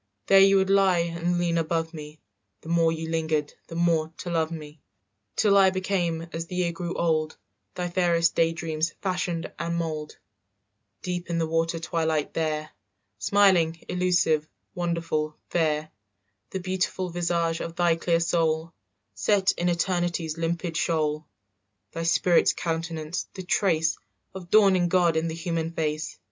"There you would lie and lean above me, The more you lingered the more to love me, "Till I became, as the year grew old, Thy fairest day dream's fashion and mould, "Deep in the water twilight there, Smiling, elusive, wonderful, fair, "The beautiful visage of thy clear soul Set in eternity's limpid shoal, "Thy spirit's countenance, the trace Of dawning God in the human face.